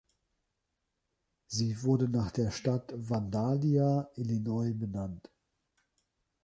Sie wurde nach der Stadt Vandalia, Illinois, benannt.